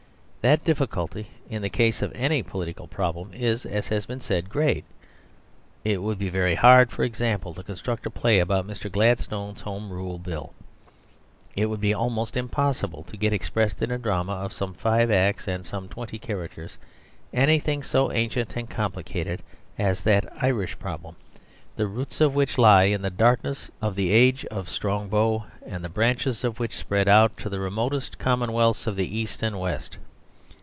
That difficulty, in the case of any political problem, is, as has been said, great. It would be very hard, for example, to construct a play about Mr. Gladstone's Home Rule Bill. It would be almost impossible to get expressed in a drama of some five acts and some twenty characters anything so ancient and complicated as that Irish problem, the roots of which lie in the darkness of the age of Strongbow, and the branches of which spread out to the remotest commonwealths of the East and West.